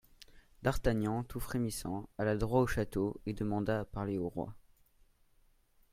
D'Artagnan, tout frémissant alla, droit au château et demanda à parler au roi.